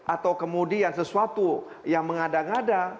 atau kemudian sesuatu yang mengada ngada